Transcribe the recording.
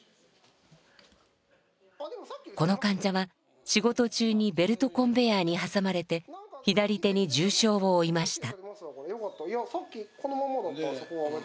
この患者は仕事中にベルトコンベヤーに挟まれて左手に重傷を負いました。